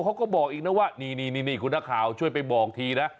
เขาก็บอกอีกนะว่านี่คุณนักข่าวช่วยไปบอกทีนะ